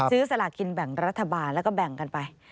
สลากินแบ่งรัฐบาลแล้วก็แบ่งกันไป